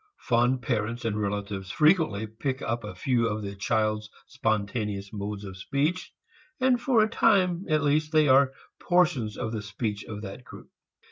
Fond parents and relatives frequently pick up a few of the child's spontaneous modes of speech and for a time at least they are portions of the speech of the group.